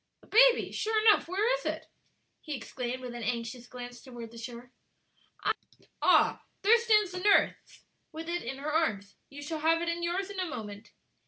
"The baby! Sure enough, where is it?" he exclaimed, with an anxious glance toward the shore. "Ah, there stands the nurse with it in her arms. You shall have it in yours in a moment."